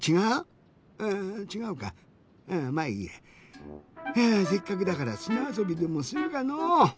うちがうかまあいいや。えせっかくだからすなあそびでもするかのう。